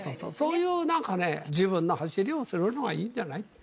そういうなんかね、自分の走りをするのがいいんじゃない。